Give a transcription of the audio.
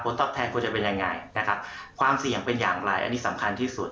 ตอบแทนควรจะเป็นยังไงนะครับความเสี่ยงเป็นอย่างไรอันนี้สำคัญที่สุด